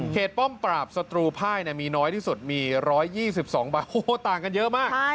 ป้อมปราบศัตรูภายมีน้อยที่สุดมี๑๒๒ใบต่างกันเยอะมาก